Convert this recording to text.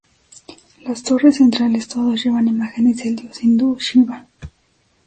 Las torres centrales todos llevan imágenes del dios hindú Shiva.